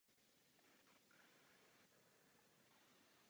Nicméně se domnívám, že se naše představy výrazně rozcházejí.